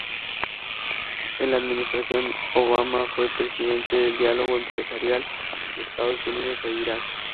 En la Administración Obama, fue presidente del Diálogo Empresarial de Estados Unidos e Irak.